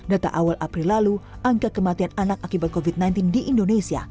data awal april lalu angka kematian anak akibat covid sembilan belas di indonesia